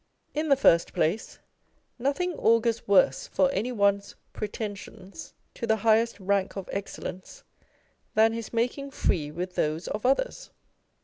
In the first place, nothing augurs Avorse for any one's pretensions to the highest rank of excellence than his making free with those of others.